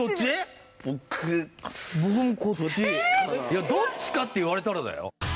いやどっちかって言われたらだよ。